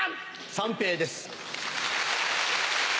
三平です。